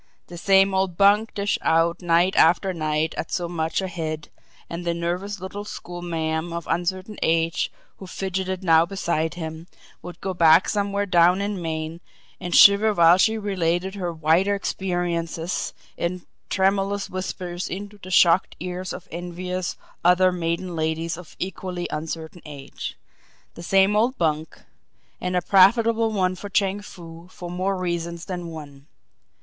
The same old bunk dished out night after night at so much a head and the nervous little schoolma'am of uncertain age, who fidgeted now beside him, would go back somewhere down in Maine and shiver while she related her "wider experiences" in tremulous whispers into the shocked ears of envious other maiden ladies of equally uncertain age. The same old bunk and a profitable one for Chang Foo for more reasons than one.